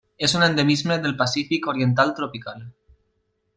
És un endemisme del Pacífic oriental tropical.